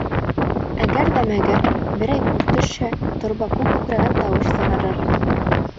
Әгәр ҙә мәгәр берәй бур төшһә, торба күк күкрәгән тауыш сығарыр.